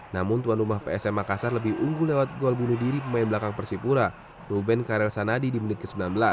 namun tuan rumah psm makassar lebih unggul lewat gol bunuh diri pemain belakang persipura ruben karel sanadi di menit ke sembilan belas